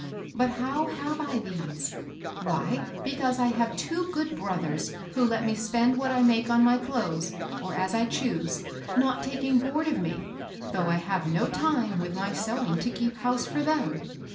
But how have I these ? Why, because I have two good brothers who let me spend what I make on my clothes, or as I choose, not taking board of me, though I have no time, with my sewing, to keep house for them.